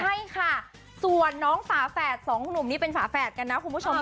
ใช่ค่ะส่วนน้องฝาแฝดสองหนุ่มนี่เป็นฝาแฝดกันนะคุณผู้ชม